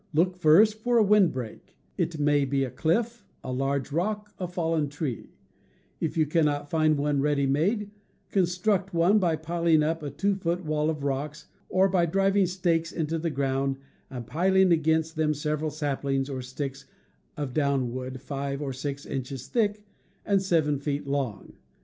Look first for a wind break — it may be a cliff, a large rock, a fallen tree; if you cannot find one ready made, construct one by piling up a two foot wall of rocks, or by driving stakes into the ground and piling against them several saplings or sticks of downwood five or six inches thick and seven feet long.